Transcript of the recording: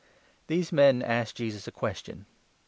Tin. se men asked Jesus a question.